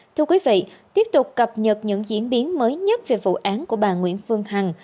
thưa quý vị tiếp tục cập nhật những diễn biến mới nhất về vụ án của bà nguyễn phương hằng